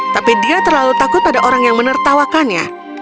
tapi dia terlalu takut pada orang yang menertawakannya